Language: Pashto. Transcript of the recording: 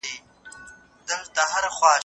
که تاسو تخنیک وکاروئ کارونه به اسانه سي.